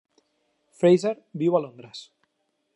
Fraser viu a Londres.